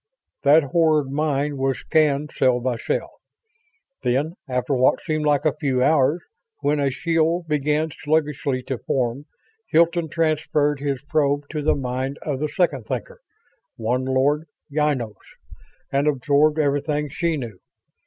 That horrid mind was scanned cell by cell. Then, after what seemed like a few hours, when a shield began sluggishly to form, Hilton transferred his probe to the mind of the Second Thinker, one Lord Ynos, and absorbed everything she knew.